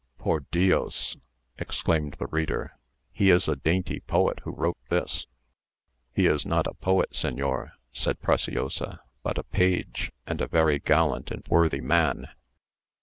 "Por dios!" exclaimed the reader, "he is a dainty poet who wrote this." "He is not a poet, señor," said Preciosa, "but a page, and a very gallant and worthy man."